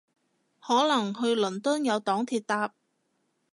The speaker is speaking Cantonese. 可能去倫敦有黨鐵搭